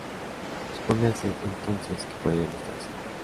Supóngase entonces que puede demostrarse.